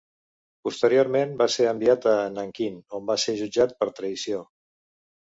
Posteriorment va ser enviat a Nanquín, on va ser jutjat per traïció.